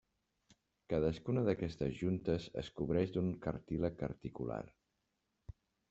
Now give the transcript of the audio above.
Cadascuna d'aquestes juntes es cobreix d'un cartílag articular.